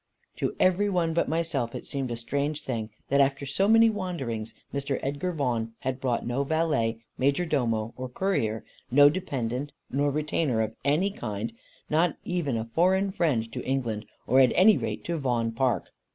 To every one, but myself, it seemed a strange thing that after so many wanderings, Mr. Edgar Vaughan had brought no valet, major domo, or courier, no dependant or retainer of any kind, and not even a foreign friend to England, or at any rate to Vaughan Park.